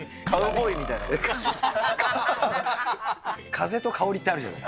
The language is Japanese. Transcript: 風と香りってあるじゃない。